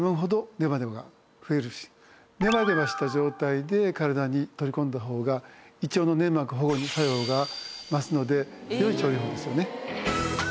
ネバネバした状態で体に取り込んだ方が胃腸の粘膜保護に作用が増すので良い調理法ですよね。